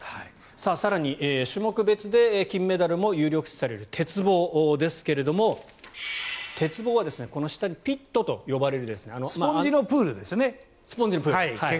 更に種目別で金メダルも有力視される鉄棒ですが鉄棒は下にピットと呼ばれる。